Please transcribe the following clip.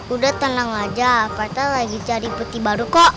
udah tenang aja prt lagi cari peti baru kok